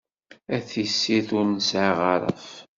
A tissirt ur nesɛi aɣaṛef!